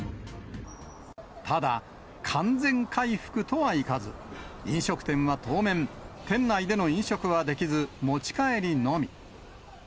ただ、完全回復とはいかず、飲食店は当面、店内での飲食はできず、持ち帰りのみ。